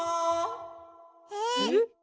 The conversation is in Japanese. えっ？